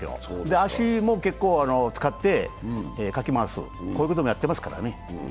足も結構使ってかき回す、こういうこともやってますからね。